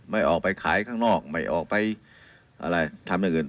ไม่ออกไปขายข้างนอกไม่ออกไปอะไรทำอย่างอื่น